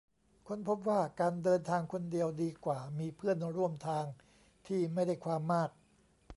ค้นพบว่าการเดินทางคนเดียวดีกว่ามีเพื่อนร่วมทางที่ไม่ได้ความมาก